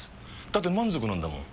だって満足なんだもん。